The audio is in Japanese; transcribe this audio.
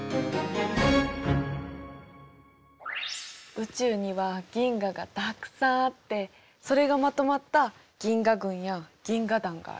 宇宙には銀河がたくさんあってそれがまとまった銀河群や銀河団がある。